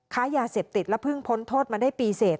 ค้ายาเสพติดและเพิ่งพ้นโทษมาได้ปีเสร็จ